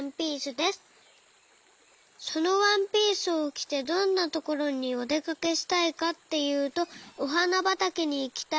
そのワンピースをきてどんなところにおでかけしたいかっていうとおはなばたけにいきたいです。